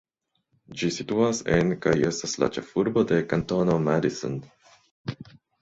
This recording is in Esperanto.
Ĝi situas en, kaj estas la ĉefurbo de, Kantono Madison.